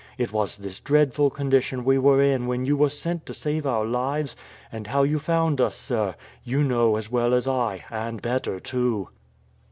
It was this dreadful condition we were in when you were sent to save our lives; and how you found us, sir, you know as well as I, and better too."